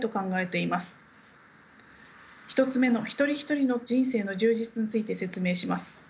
１つ目の一人一人の人生の充実について説明します。